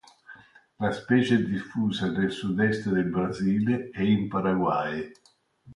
La specie è diffusa nel sud-est del Brasile e in Paraguay.